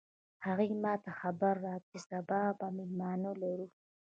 هغې ما ته خبر راکړ چې سبا به مېلمانه لرو